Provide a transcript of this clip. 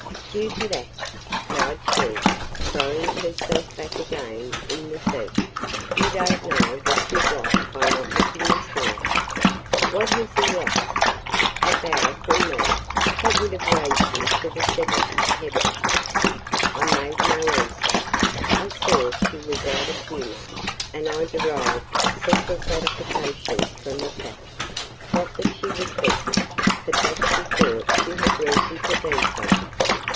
"Stupid ass!" cried she, throwing herself back again in the seat. "You don't know what you've lost by not looking this way!" "What has he lost?" "A bow from me, that would have raised him to the seventh heaven!" I made no answer. I saw she was out of humour, and I derived a secret gratification from the fact, not that she was vexed, but that she thought she had reason to be so.